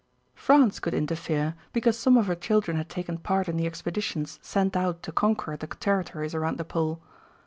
France could interfere because some of her children had taken part in the expeditions sent out to conquer the territories around the pole.